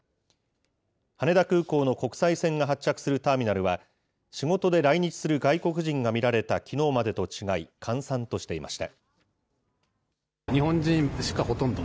羽田空港の国際線が発着するターミナルは、仕事で来日する外国人が見られたきのうまでと違い、閑散としていました。